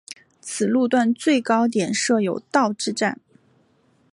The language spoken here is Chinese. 此路段最高点设有道之站。